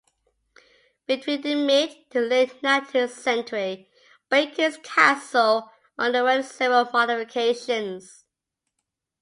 Between the mid to late-nineteenth century, Bacon's Castle underwent several modifications.